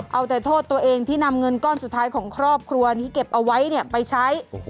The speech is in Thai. เอาแต่โทษตัวเองที่นำเงินก้อนสุดท้ายของครอบครัวที่เก็บเอาไว้ไปใช้